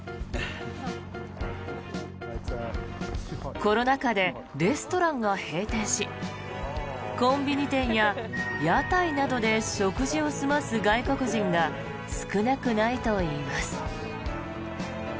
コロナ禍でレストランが閉店しコンビニ店や屋台などで食事を済ます外国人が少なくないといいます。